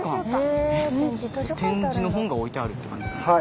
点字の本が置いてある感じですか？